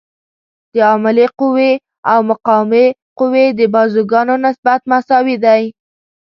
د عاملې قوې او مقاومې قوې د بازوګانو نسبت مساوي دی.